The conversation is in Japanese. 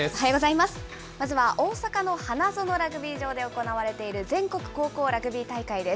まずは大阪の花園ラグビー場で行われている全国高校ラグビー大会です。